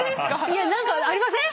いや何かありません？